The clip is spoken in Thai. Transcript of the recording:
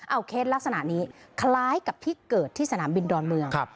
เอาเคสลักษณะนี้คล้ายกับที่เกิดที่สนามบินดอนเมือง